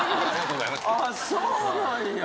ああそうなんや。